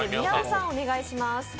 宮尾さん、お願いします。